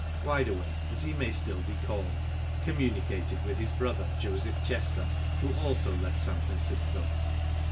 Wide Awake, as he may still be called, com municated with his brother, Joseph Chester, who also left San Francisco.